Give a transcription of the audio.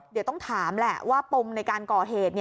เดี๋ยวต้องถามแหละว่าปมในการก่อเหตุ